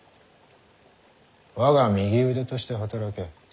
我が右腕として働け。